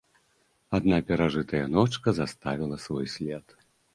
Адна перажытая ночка заставіла свой след.